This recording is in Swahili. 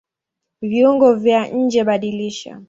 Viungo vya njeBadilisha